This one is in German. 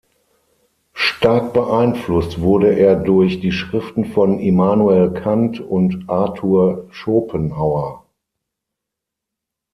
Stark beeinflusst wurde er durch die Schriften von Immanuel Kant und Arthur Schopenhauer.